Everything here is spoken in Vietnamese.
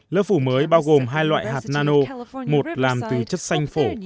lớp phủ mới bao gồm hai loại hạt nano một làm từ chất xanh phổ